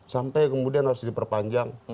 sampai kemudian harus diperpanjang